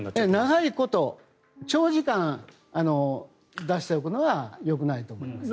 長いこと長時間出しておくのはよくないと思いますね。